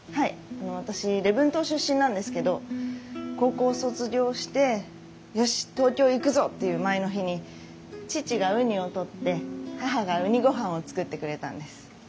あの私礼文島出身なんですけど高校卒業して「よし東京行くぞ！」っていう前の日に父がウニを採って母がウニごはんを作ってくれたんです。